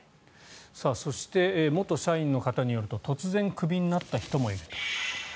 そして元社員の方によると突然、クビになった人もいると。